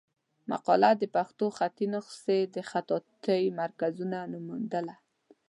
مقاله د پښتو خطي نسخو د خطاطۍ مرکزونه نومېدله.